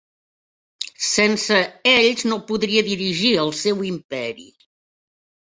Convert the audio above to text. Sense ells no podria dirigir el seu imperi.